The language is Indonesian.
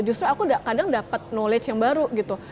justru aku kadang dapat knowledge yang baru gitu